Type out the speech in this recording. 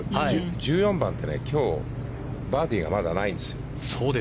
１４番って今日バーディーがまだないんです。